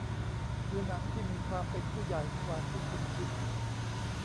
คือหนังที่มีความเป็นผู้ใหญ่กว่าที่คุณคิด